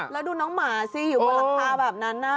แล้วดูน้องหมาสิอยู่บนหลังคาแบบนั้น